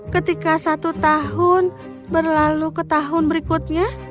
ketika satu tahun berlalu ke tahun berikutnya